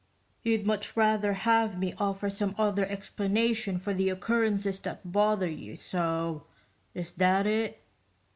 "You'd much rather have me offer some other explanation for the occurrences that bother you so is that it?"